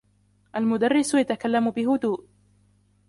المدرس يتكلم بهدوء.